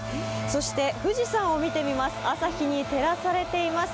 そして富士山を見てみます。